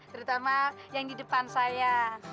terutama yang di depan saya